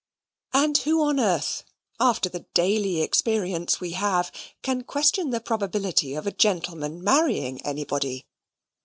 And who on earth, after the daily experience we have, can question the probability of a gentleman marrying anybody?